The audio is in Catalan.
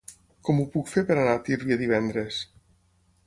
Com ho puc fer per anar a Tírvia divendres?